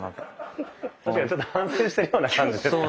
確かにちょっと反省してるような感じですか。